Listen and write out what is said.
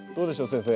先生。